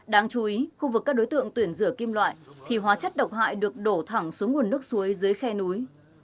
đáng chú ý khu vực các đối tượng tuyển rửa kim loại thì hóa chất độc hại được đổ thẳng xuống nguồn nước suối dưới khe núi